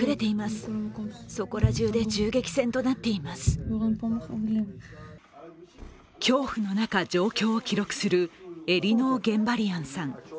ニトリ恐怖の中、状況を記録するエリノー・ゲンバリアンさん。